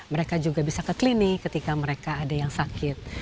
mereka juga bisa ke klinik ketika mereka ada yang sakit